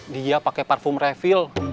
dia pakai parfum refill